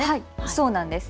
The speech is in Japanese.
そうなんです。